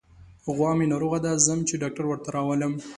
غوا مې ناروغه ده، ځم چې ډاکټر ورته راولم.